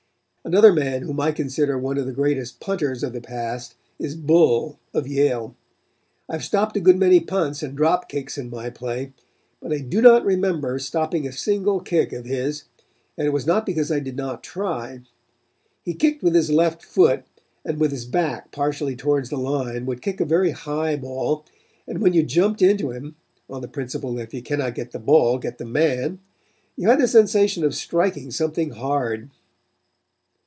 "Another man whom I consider one of the greatest punters of the past is Bull of Yale. I have stopped a good many punts and drop kicks in my play, but I do not remember stopping a single kick of his, and it was not because I did not try. He kicked with his left foot, and with his back partially towards the line would kick a very high ball, and when you jumped into him on the principle, that if you cannot get the ball, get the man you had the sensation of striking something hard."